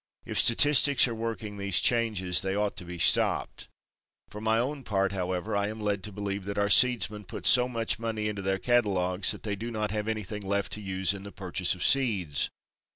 If statistics are working these changes they ought to be stopped. For my own part, however, I am led to believe that our seedsmen put so much money into their catalogues that they do not have anything left to use in the purchase of seeds.